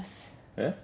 えっ？